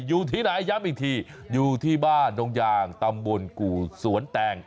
อยู่ที่ไหนย้ำอีกทีอยู่ที่บ้านดงยางตำบลกู่สวนแตง